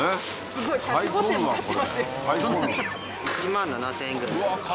すごい。・１万７０００円ぐらい。